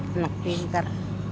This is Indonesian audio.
eh enak pinter